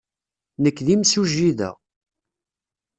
Nekk d imsujji da.